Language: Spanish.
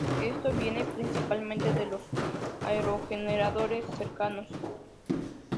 Esto viene principalmente de los aerogeneradores cercanos.